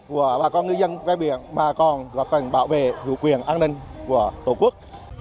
của bà con ngư dân ven biển mà còn góp phần bảo vệ chủ quyền an ninh của tổ quốc